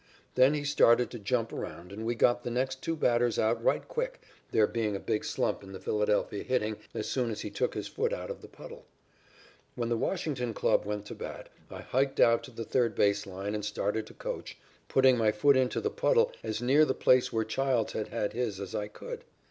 Then he started to jump around and we got the next two batters out right quick, there being a big slump in the Philadelphia hitting as soon as he took his foot out of that puddle. "When the Washington club went to bat I hiked out to the third base line and started to coach, putting my foot into the puddle as near the place where Childs had had his as I could.